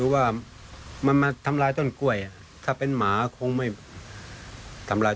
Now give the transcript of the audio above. เดี๋ยวทุกปลาคลุปกัน